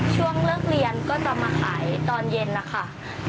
ช่วงเลิกเรียนก็จะมาขายตอนเย็นนะคะ